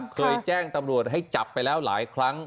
เคยแจ้งตำรวจให้จับไปแล้วหลายครั้ง